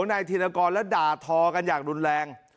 นายธินกรและด่าทอกันอย่างรุนแรง